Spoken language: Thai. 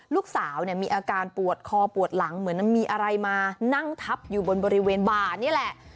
ลูกสาวเนี่ยมีอาการปวดคอปวดหลังเหมือนมีอะไรมานั่งทับอยู่บนบริเวณบ่านี่แหละ